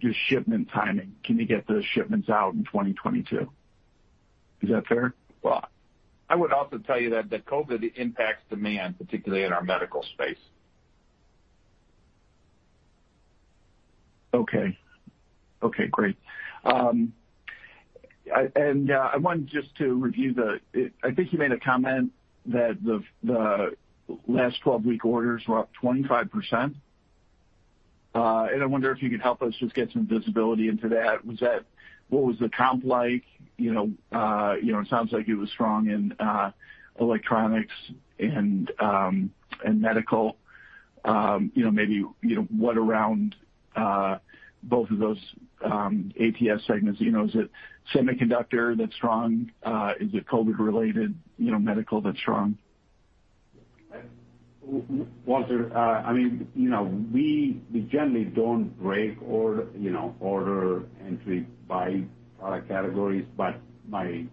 just shipment timing. Can you get the shipments out in 2022? Is that fair? Well, I would also tell you that the COVID impacts demand, particularly in our medical space. Okay, great. I wanted just to review the. I think you made a comment that the last 12-week orders were up 25%. I wonder if you could help us just get some visibility into that. Was that, what was the comp like? You know, you know, it sounds like it was strong in electronics and medical. You know, maybe you know what about both of those ATS segments, you know, is it semiconductor that's strong? Is it COVID-related medical that's strong? Walter, I mean, you know, we generally don't break order, you know, order entry by product categories. My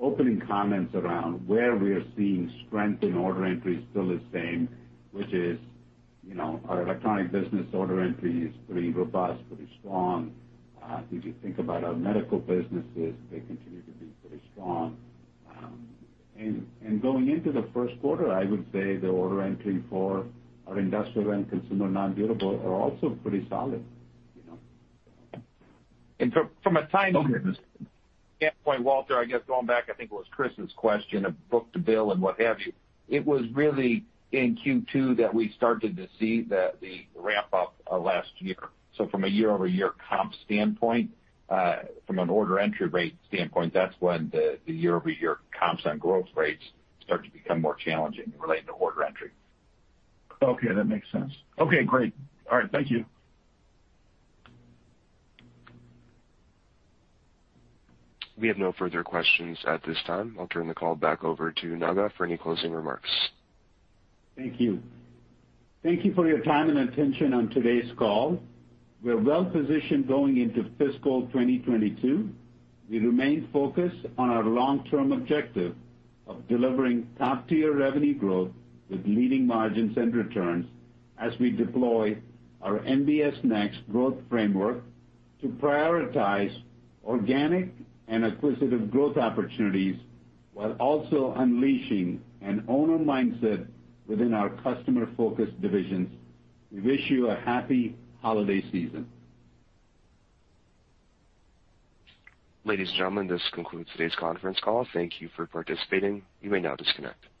opening comments around where we are seeing strength in order entry is still the same, which is, you know, our electronic business order entry is pretty robust, pretty strong. If you think about our medical businesses, they continue to be pretty strong. Going into the Q1, I would say the order entry for our industrial and consumer non-durable are also pretty solid, you know. From a timing standpoint, Walter, I guess going back, I think it was Chris's question of book to bill and what have you. It was really in Q2 that we started to see the ramp up last year. From a year-over-year comp standpoint, from an order entry rate standpoint, that's when the year-over-year comps on growth rates start to become more challenging relating to order entry. Okay, that makes sense. Okay, great. All right, thank you. We have no further questions at this time. I'll turn the call back over to Naga for any closing remarks. Thank you. Thank you for your time and attention on today's call. We're well positioned going into fiscal 2022. We remain focused on our long-term objective of delivering top-tier revenue growth with leading margins and returns as we deploy our NBS Next growth framework to prioritize organic and acquisitive growth opportunities while also unleashing an Owner Mindset within our customer-focused divisions. We wish you a happy holiday season. Ladies and gentlemen, this concludes today's conference call. Thank you for participating. You may now disconnect.